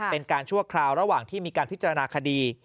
ชั่วคราวระหว่างที่มีการพิจารณาคดี